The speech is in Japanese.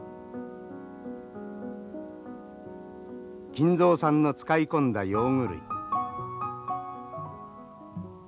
金蔵さんの使い込んだ用具類。